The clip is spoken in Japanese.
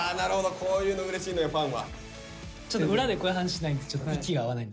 こういうのうれしいのよファンは。